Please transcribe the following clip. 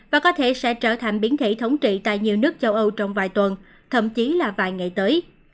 và có thể sẽ trở thành biến thể thống trị tại nhiều nước châu âu trong vài tuần thậm chí là vài ngày tới